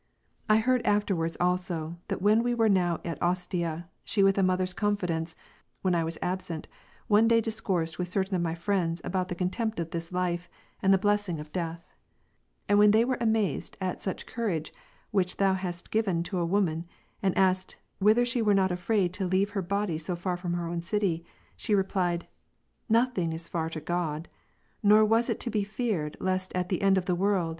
I heard afterwards also, that when Ave were now at Ostia, she with a mother's confidence, when I was absent, one day discoursed with certain of my friends about the contempt of this life, and the blessing of death : and when they were amazed at such courage which Thou hadst given to a woman, and asked, " Whether she were not afraid to leave her body so far from her own city ?" she replied, "No thing is far to God ; nor was it to be feared lest at the end of the world.